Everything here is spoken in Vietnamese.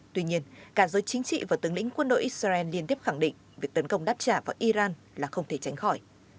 tuy nhiên cả giới chính trị và tướng lĩnh quân đội israel liên tiếp khẳng định việc tấn công đáp trả vào iran là không thể tránh khỏi